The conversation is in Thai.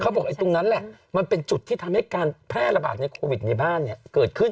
บอกไอ้ตรงนั้นแหละมันเป็นจุดที่ทำให้การแพร่ระบาดในโควิดในบ้านเนี่ยเกิดขึ้น